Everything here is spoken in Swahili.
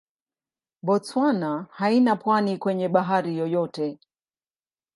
Botswana haina pwani kwenye bahari yoyote.